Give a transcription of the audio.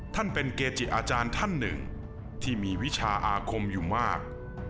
ท่านเป็นเกจิอาจารย์ท่านหนึ่งที่มีวิชาอาคมอยู่มาก